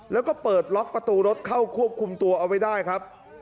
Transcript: แล้วก็เปิดล็อกประตูรถเข้าควบคุมตัวเอาไว้ได้ครับ